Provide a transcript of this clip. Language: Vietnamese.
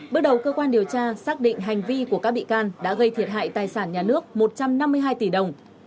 bước đầu cơ quan điều tra xác định hành vi của các bị can đã gây thiệt hại tài sản nhà nước một trăm năm mươi hai tỷ đồng